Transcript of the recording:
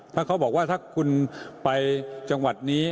ถ้าเขาบอกว่าถ้าคุณไปจังหวัดนี้